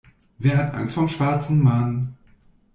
Wer hat Angst vorm schwarzen Mann?